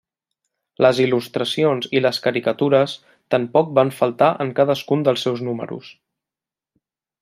Les il·lustracions i les caricatures tampoc van faltar en cadascun dels seus números.